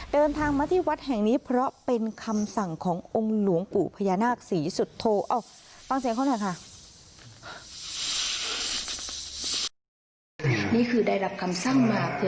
เดินทางมาที่วัดแห่งนี้เพราะเป็นคำสั่งขององค์หลวงปู่พญานาคสีสุดทู